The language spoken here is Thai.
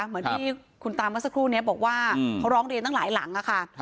เหมือนที่คุณตามเมื่อสักครู่นี้บอกว่าเขาร้องเรียนตั้งหลายหลังค่ะ